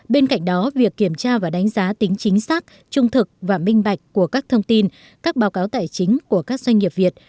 bên cạnh đó việc kiểm tra và đánh giá tính chính xác trung thực và minh bạch của các thông tin các báo cáo tài chính của các doanh nghiệp việt